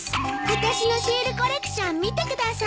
私のシールコレクション見てください。